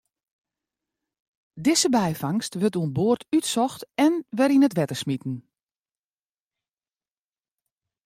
Dizze byfangst wurdt oan board útsocht en wer yn it wetter smiten.